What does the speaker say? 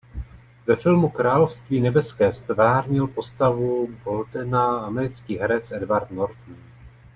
Ve filmu "Království nebeské" ztvárnil postavu Balduina americký herec Edward Norton.